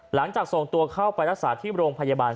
หลังจากส่งตัวเข้าไปรักษาที่โรงพยาบาล